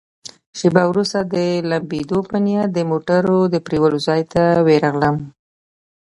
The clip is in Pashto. شیبه وروسته د لمبېدو په نیت د موټرونو د پرېولو ځای ته ورغلم.